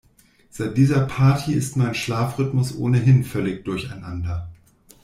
Seit dieser Party ist mein Schlafrhythmus ohnehin völlig durcheinander.